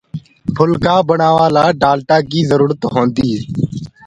ڦُلڪآ بڻآوآ لآ ڊآلٽآ ڪيٚ جرورتَ هونٚدي هي